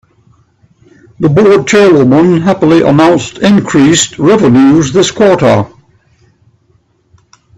The board chairwoman happily announced increased revenues this quarter.